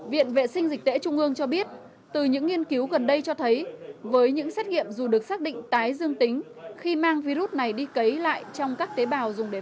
viện vệ sinh dịch tễ trung ương cho biết từ những nghiên cứu gần đây cho thấy với những xét nghiệm dù được xác định tái dương tính khi mang virus này đi cấy lại trong các tế bào dùng để